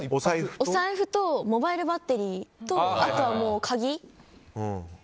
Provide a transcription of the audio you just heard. お財布とモバイルバッテリーとあとは鍵。